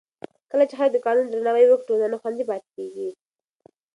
کله چې خلک د قانون درناوی وکړي، ټولنه خوندي پاتې کېږي.